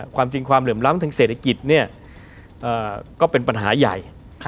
ความจริงความเหลื่อมล้ำทางเศรษฐกิจก็เป็นปัญหาใหญ่